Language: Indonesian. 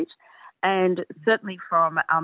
tentang peluang dalam perusahaan